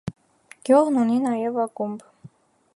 Գյուղն ունի նաև ակումբ։